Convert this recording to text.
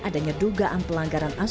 adanya dugaan pelanggaran asusus